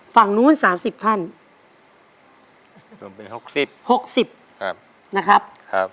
ฝั่งนู้นสามสิบท่านส่วนปีหกสิบหกสิบครับนะครับ